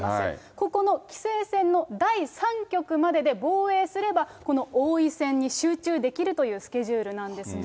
ここの棋聖戦の第３局までで防衛すれば、この王位戦に集中できるというスケジュールなんですね。